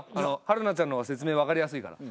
春菜ちゃんの方が説明分かりやすいから。